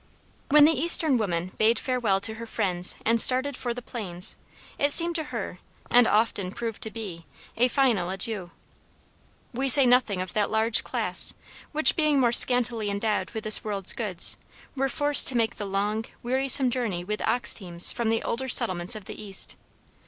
When the eastern woman bade farewell to her friends and started for the plains it seemed to her, and often proved to be, a final adieu. We say nothing of that large class which, being more scantily endowed with this world's goods, were forced to make the long, wearisome journey with ox teams from the older settlements of the East.